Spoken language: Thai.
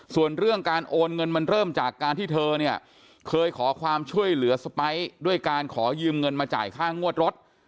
ส่วนเรื่องการโอนเงินมันเริ่มจากการที่เธอเนี่ยเคยขอความช่วยเหลือสไปร์ด้วยการขอยืมเงินมาจ่ายค่างวดรถ